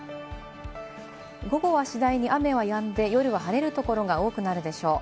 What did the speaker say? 午後は次第に雨はやんで夜は晴れる所が多くなるでしょう。